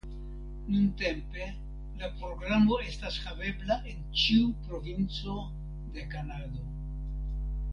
Nuntempe la programo estas havebla en ĉiu provinco de Kanado.